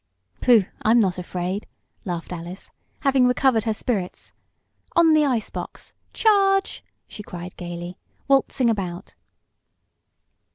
"Pooh, I'm not afraid!" laughed Alice, having recovered her spirits. "On the ice box charge!" she cried gaily, waltzing about.